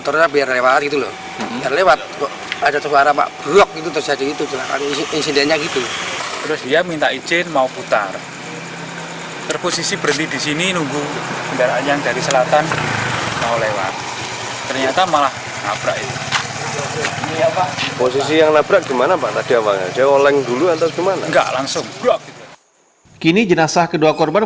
terposisi berhenti di sini nunggu kendaraan yang dari selatan mau lewat